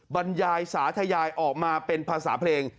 บรรยายสาธยายออกมาเป็นภาษาเพลง